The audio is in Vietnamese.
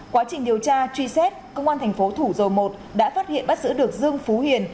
quá trình điều tra truy xét công an thành phố thủ dầu một đã phát hiện bắt giữ được dương phú hiền